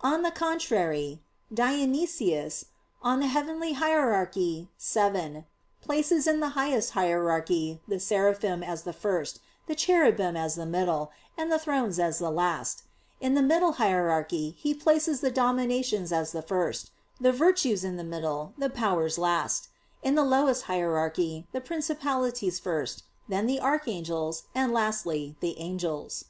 On the contrary, Dionysius (Coel. Hier. vii), places in the highest hierarchy the "Seraphim" as the first, the "Cherubim" as the middle, the "Thrones" as the last; in the middle hierarchy he places the "Dominations," as the first, the "Virtues" in the middle, the "Powers" last; in the lowest hierarchy the "Principalities" first, then the "Archangels," and lastly the "Angels."